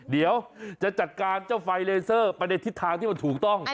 เดี๋ยวจะจัดการเจ้าไฟเลเซอร์ไปในทิศทางที่มันถูกต้อง